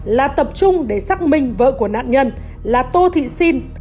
là tập trung để xác minh vợ của nạn nhân là tô thị xin